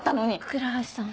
倉橋さん？